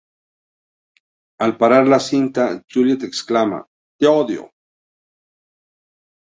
Al parar la cinta, Juliet exclama: "¡te odio!